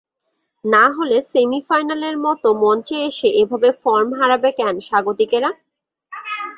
না হলে সেমিফাইনালের মতো মঞ্চে এসে এভাবে ফর্ম হারাবে কেন স্বাগতিকেরা।